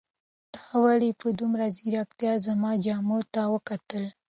تا ولې په دومره ځیرکتیا زما جامو ته وکتل؟